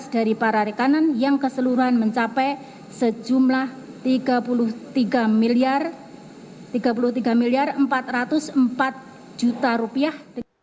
dari para rekanan yang keseluruhan mencapai sejumlah tiga puluh tiga miliar empat ratus empat juta rupiah